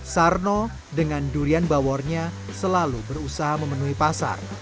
sarno dengan durian bawornya selalu berusaha memenuhi pasar